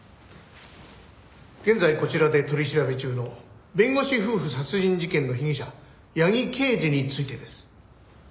現在こちらで取り調べ中の弁護士夫婦殺人事件の被疑者八木敬司についてです。